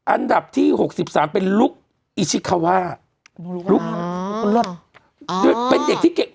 อันดับที่๖๓เป็นลุกอิชิคาว่าเป็นเด็กที่เก่ง